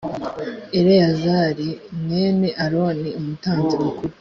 eleyazari mwene aroni umutambyi mukuru